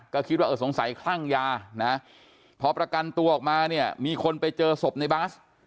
ก็คิดว่าเออสงสัยคลั่งยานะพอประกันตัวออกมาเนี่ยมีคนไปเจอศพในบาส